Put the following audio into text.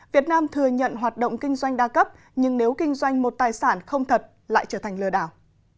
việt nam thừa nhận hoạt động kinh doanh đa cấp nhưng nếu kinh doanh một tài sản không thật lại trở thành lừa đảo